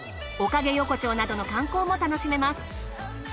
おかげ横丁などの観光も楽しめます。